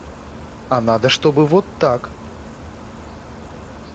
А надо, чтобы вот так...